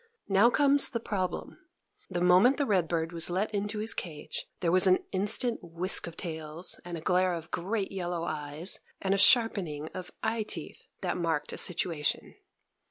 Now comes the problem: the moment the red bird was let into his cage, there was an instant whisk of tails, and a glare of great yellow eyes, and a sharpening of eye teeth, that marked a situation.